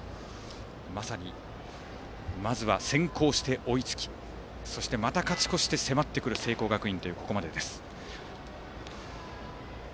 まさに、まずは先行して追いつきそして、また勝ち越して迫ってくる聖光学院というここまでです。